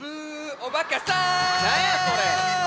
おばかさん！